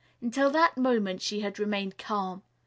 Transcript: Until that moment she had remained calm.